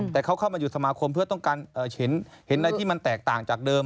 แต่เขาเข้ามาอยู่สมาคมเพื่อต้องการเห็นอะไรที่มันแตกต่างจากเดิม